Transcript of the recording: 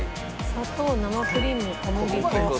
砂糖生クリーム小麦粉。